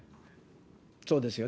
そうですよね。